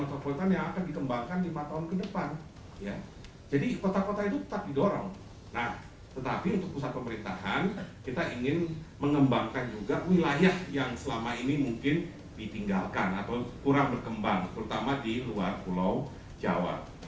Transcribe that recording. atau kurang berkembang terutama di luar pulau jawa